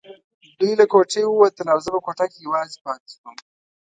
دوی له کوټې ووتل او زه په کوټه کې یوازې پاتې شوم.